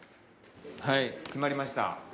はい決まりました。